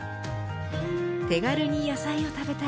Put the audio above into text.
手軽に野菜を食べたい。